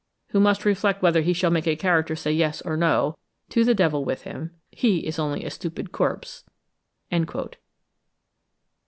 "who must reflect whether he shall make a character say yes or no—to the devil with him; he is only a stupid corpse."